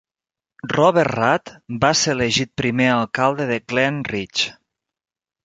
Robert Rudd va ser elegit primer alcalde de Glen Ridge.